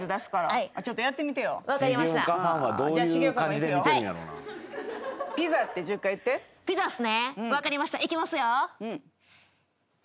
いきますよ。